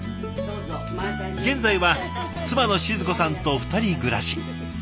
現在は妻の静子さんと２人暮らし。